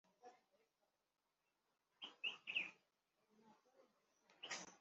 azarwanya ibihome bigoswe n inkuta zikomeye cyane